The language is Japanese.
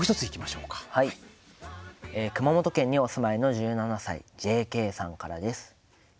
熊本県にお住まいの１７歳の方からです。